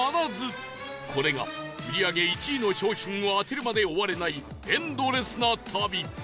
これが売り上げ１位の商品を当てるまで終われないエンドレスな旅